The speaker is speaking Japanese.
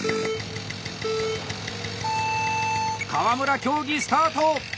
川村競技スタート！